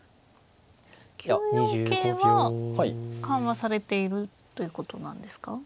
９四桂は緩和されているということなんですか？